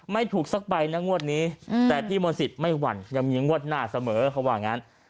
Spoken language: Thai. ไม่ถูกสักใบนะงวดนี้แต่พี่มนต์สิทธิ์ไม่หวั่นยังมีงวดหน้าเสมอเขาว่างั้น